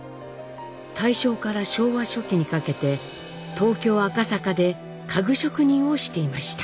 大正から昭和初期にかけて東京・赤坂で家具職人をしていました。